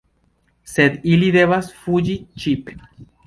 Sed ili devas fuĝi ŝipe.